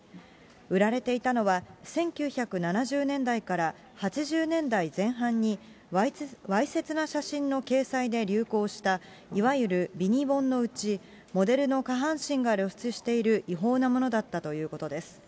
売られていたのは、１９７０年代から８０年代前半に、わいせつな写真の掲載で流行した、いわゆるビニ本のうち、モデルの下半身が露出している違法なものだったということです。